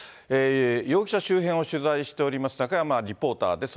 容疑者周辺を取材しております中山リポーターです。